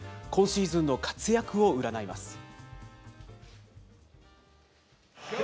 今シーズンの活躍を占います。